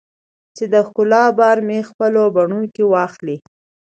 چې د ښکلا بار مې خپلو بڼو کې واخلې